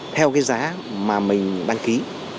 theo cái giá mà mình đăng ký